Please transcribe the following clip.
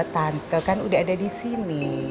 tante kan udah ada disini